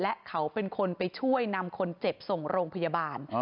และเขาเป็นคนไปช่วยนำคนเจ็บส่งโรงพยาบาล